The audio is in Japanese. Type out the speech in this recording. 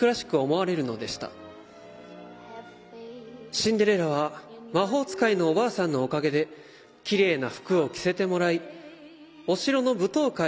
「シンデレラは魔法使いのおばあさんのおかげできれいな服を着せてもらいお城の舞踏会に行くことに。